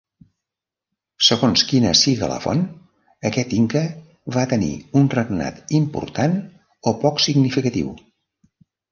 Segons quina siga la font, aquest inca va tenir un regnat important o poc significatiu.